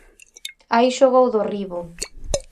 Aí xogou Dorribo.